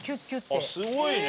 あっすごいね。